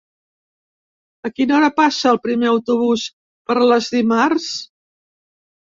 A quina hora passa el primer autobús per Les dimarts?